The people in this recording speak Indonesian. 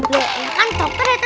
ya kan dokter ya